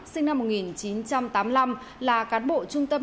sinh năm một nghìn chín trăm tám mươi năm là cán bộ trung tâm